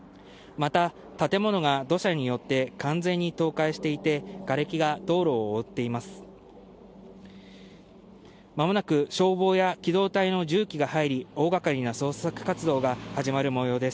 また、建物が土砂によって完全に倒壊していて、がれきが道路を覆っています。